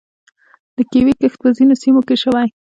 د کیوي کښت په ځینو سیمو کې شوی.